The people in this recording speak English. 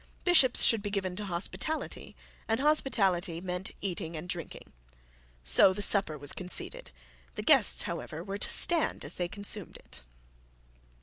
bishops should be given to hospitality, and hospitality meant eating and drinking. So the supper was conceded; the guests, however, were to stand as they consumed it.